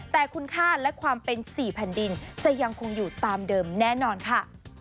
แต่คุณค่าและความเป็น๔แผ่นดินจะยังคงอยู่ตามเดิมแน่นอนค่ะ